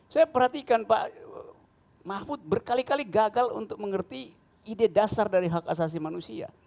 saya perhatikan pak mahfud berkali kali gagal untuk mengerti ide dasar dari hak asasi manusia